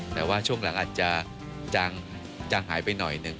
แต่ว่าช่วงหลังอาจจะหายไปหน่อยหนึ่ง